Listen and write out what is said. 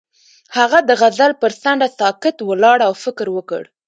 هغه د غزل پر څنډه ساکت ولاړ او فکر وکړ.